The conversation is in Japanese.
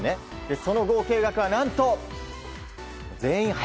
その合計額は何と、全員裸！